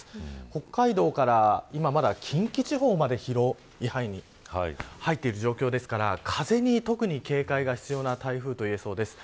北海道から、今まだ近畿地方まで広い範囲に入っている状況ですから風に特に警戒が必要な台風といえそうです。